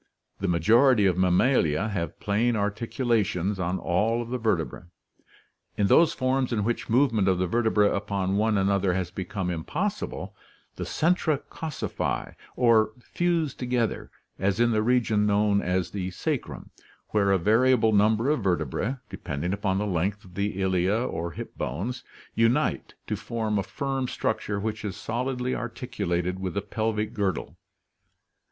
The majority of Mammalia have plane articulations on all of the verte brae. In those forms in which movement of the vertebrae upon one another has become impossible, the centra coossify or fuse together, ORTHOGENESIS AND KINETOGENESIS 183 as in the region known as the sacrum, where a variable number of vertebrae, depending upon the length of the ilia or hip bones, unite to form a firm structure which is solidly articulated with the pelvic girdle.